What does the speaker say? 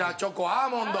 アーモンド！